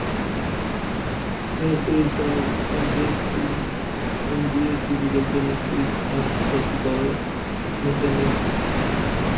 His research interests include physical chemistry and statistical mechanics.